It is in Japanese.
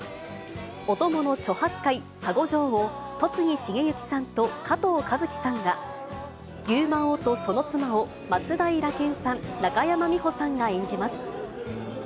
お供の猪八戒、沙悟浄を戸次重幸さんと加藤和樹さんが、牛魔王とその妻を、松平健さん、中山美穂さんが演じます。